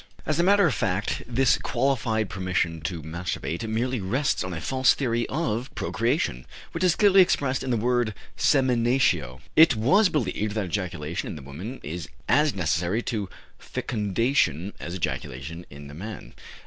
As a matter of fact, this qualified permission to masturbate merely rests on a false theory of procreation, which is clearly expressed in the word seminatio. It was believed that ejaculation in the woman is as necessary to fecundation as ejaculation in the man.